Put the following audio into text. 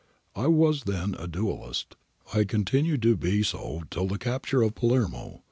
I was then a Dualist. I continued to be so till the capture of Palermo.